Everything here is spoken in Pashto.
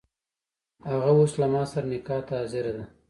هغه اوس له ماسره نکاح ته حاضره ده.